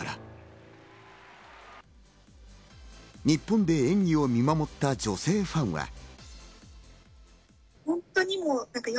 日本で演技を見守った女性ファンは。